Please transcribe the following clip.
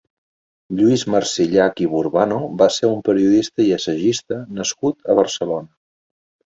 Lluís Marsillach i Burbano va ser un periodista i assagista, nascut a Barcelona.